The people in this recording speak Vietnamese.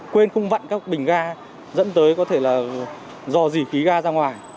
quên không vặn các bình ga dẫn tới có thể là do gì khí ga ra ngoài